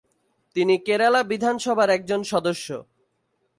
তিনি কেরালা বিধানসভার একজন সদস্য।